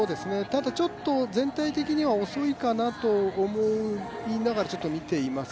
ただ、ちょっと全体的には遅いかなと思いながら見ています。